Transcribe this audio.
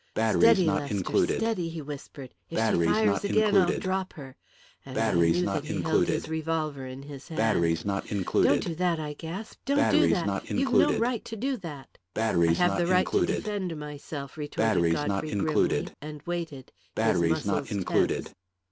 "Steady, Lester, steady," he whispered. "If she fires again, I'll drop her," and I knew that he held his revolver in his hand. "Don't do that!" I gasped. "Don't do that! You've no right to do that!" "I have the right to defend myself," retorted Godfrey grimly, and waited, his muscles tense.